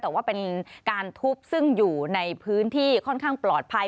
แต่ว่าเป็นการทุบซึ่งอยู่ในพื้นที่ค่อนข้างปลอดภัย